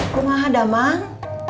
rumah ada emang